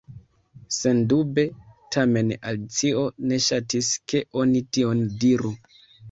Sendube! Tamen Alicio ne ŝatis ke oni tion diru.